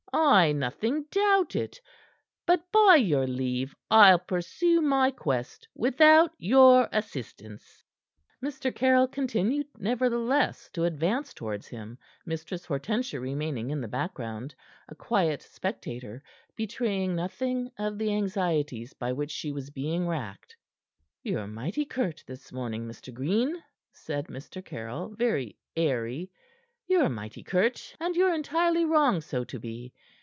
"I nothing doubt it! But by your leave, I'll pursue my quest without your assistance." Mr. Caryll continued, nevertheless, to advance towards him, Mistress Hortensia remaining in the background, a quiet spectator, betraying nothing of the anxieties by which she was being racked. "Ye're mighty curt this morning, Mr. Green," said Mr. Caryll, very airy. "Ye're mighty curt, and ye're entirely wrong so to be.